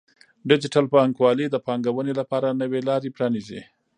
ډیجیټل بانکوالي د پانګونې لپاره نوې لارې پرانیزي.